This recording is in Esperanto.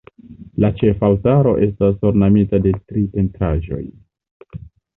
La ĉefa altaro estas ornamita de tri pentraĵoj.